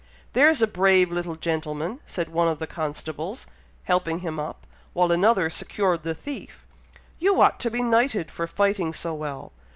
"There's a brave little gentleman!" said one of the constables, helping him up, while another secured the thief. "You ought to be knighted for fighting so well!